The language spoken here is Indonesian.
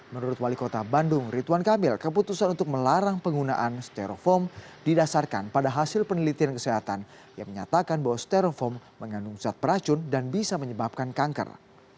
menurut wali kota bandung ridwan kamil keputusan untuk melarang penggunaan stereofoam didasarkan pada hasil penelitian kesehatan yang menyatakan bahwa stereofoam mengandung zat peracun dan bisa menyebabkan kanker